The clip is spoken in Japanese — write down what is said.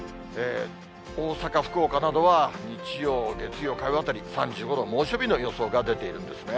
大阪、福岡などは日曜、月曜、火曜あたり３５度、猛暑日の予想が出ているんですね。